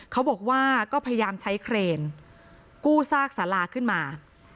เขาบอกว่าก็พยายามใช้เครนกู้ซากสาราขึ้นมา